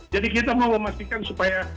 jadi kita mau memastikan supaya